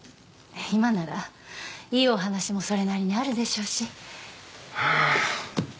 今ならいいお話もそれなりにあるでしょうし。